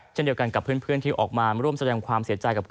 เช่นเดียวกันกับเพื่อนที่ออกมาร่วมแสดงความเสียใจกับ